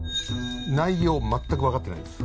内容全くわかってないです。